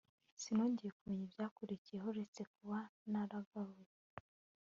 sinongeye kumenya ibyakurikiyeho uretse kuba naragaruye